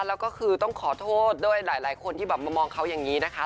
แล้วก็คือต้องขอโทษด้วยหลายคนที่แบบมามองเขาอย่างนี้นะคะ